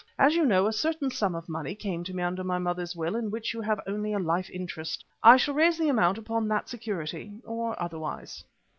As you know a certain sum of money came to me under my mother's will in which you have only a life interest. I shall raise the amount upon that security or otherwise."